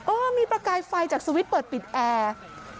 เออมีประกายไฟจากสวิตช์เปิดปิดแอร์